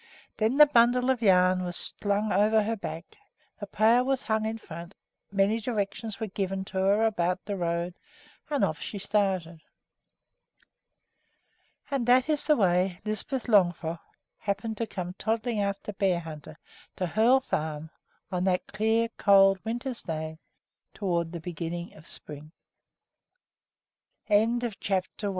Then the bundle of yarn was slung over her back, the pail was hung in front, many directions were given to her about the road, and off she started. And that is the way Lisbeth Longfrock happened to come toddling after Bearhunter to Hoel Farm on that clear, cold winter's day toward th